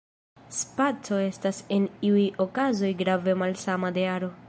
Spaco estas en iuj okazoj grave malsama de aro.